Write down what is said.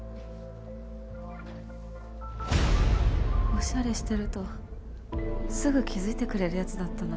オシャレしてるとすぐ気づいてくれる奴だったな